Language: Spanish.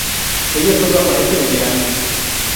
Ella solo aparece en el anime.